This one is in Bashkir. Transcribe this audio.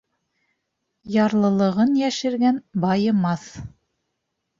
Ярлылығын йәшергән байымаҫ.